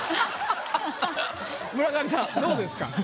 村上さんどうですか？